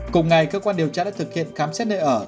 cùng ngày cơ quan điều tra đã thực hiện khám xét nơi ở